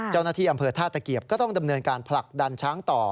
เจ้าหน้าที่อำเภอท่าตะเกียบก็ต้องดำเนินการผลักดันช้างต่อ